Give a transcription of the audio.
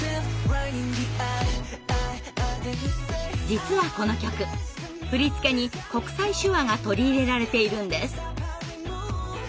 実はこの曲振り付けに国際手話が取り入れられているんです。